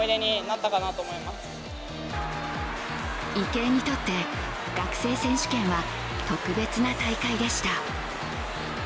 池江にとって学生選手権は特別な大会でした。